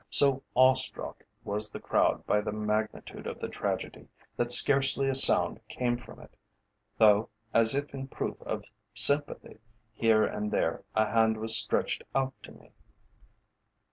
So awe struck was the crowd by the magnitude of the tragedy, that scarcely a sound came from it, though, as if in proof of sympathy, here and there a hand was stretched out to me.